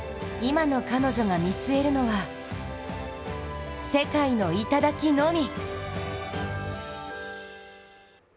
今の彼女が見据えるのは、世界の頂のみ。